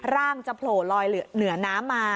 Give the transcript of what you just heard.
ร่างจะโผล่ลอยเหนือน้ำมา